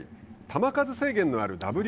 球数制限のあるＷＢＣ。